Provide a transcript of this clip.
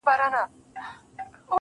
ستا مين درياب سره ياري کوي.